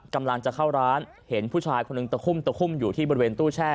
กำลังจะเข้าร้านเห็นผู้ชายคนหนึ่งตะคุ่มตะคุ่มอยู่ที่บริเวณตู้แช่